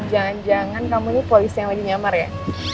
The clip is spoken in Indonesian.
jangan jangan kamu ini polisi yang lagi nyamar ya